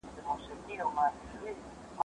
پر مهال ستونزه رامنځته کوي هم ښايي د معنا له